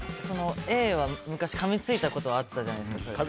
Ａは昔、かみついたことがあったじゃないですか。